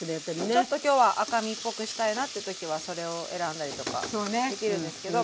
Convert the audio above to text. ちょっと今日は赤身っぽくしたいなっていう時はそれを選んだりとかできるんですけど。